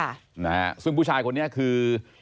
ค่ะนะฮะซึ่งผู้ชายคนนี้คือ